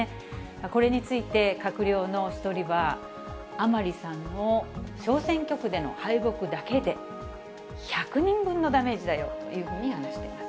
これについて、閣僚の１人は、甘利さんの小選挙区の敗北だけで、１００人分のダメージだよというふうに話しています。